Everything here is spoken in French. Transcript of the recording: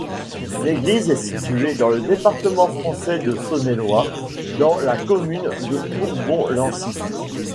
L'église est située dans le département français de Saône-et-Loire, dans la commune de Bourbon-Lancy.